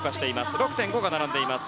６．５が並んでいました。